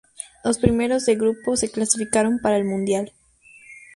Los primeros de grupo se clasificaron para el Mundial.